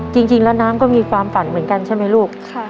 จริงแล้วน้ำก็มีความฝันเหมือนกันใช่ไหมลูก